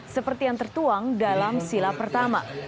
seperti yang tertuang dalam sila pertama